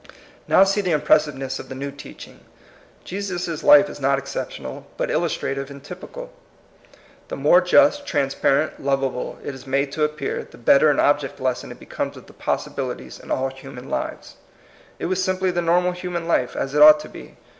Now see the impressiveness of the new teaching. Jesus* life is not exceptional, but illustrative and typical. The more just, transparent, lovable, it is made to ap pear, the better an object lesson it becomes of the possibilities in all human lives. It was simply the normal human life, as it ought to be.